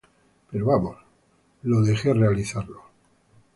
Pero vamos, lo deje realizarlo.